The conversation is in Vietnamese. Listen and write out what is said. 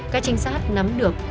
các trinh sát nắm được